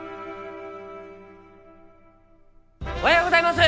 おはようございます！